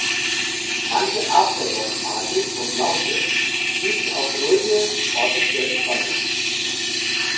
Manche After-Work-Partys und Lounges bieten auch ruhige Orte zur Entspannung.